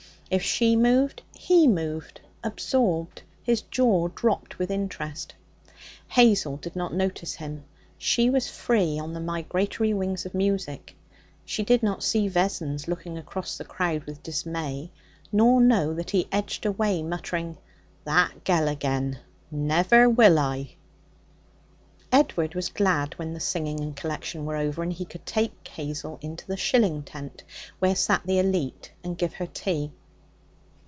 If she moved, he moved, absorbed, his jaw dropped with interest. Hazel did not notice him. She was free on the migratory wings of music. She did not see Vessons looking across the crowd with dismay, nor know that he edged away, muttering, 'That gel agen! Never will I!' Edward was glad when the singing and collection were over, and he could take Hazel into the shilling tent, where sat the elite, and give her tea.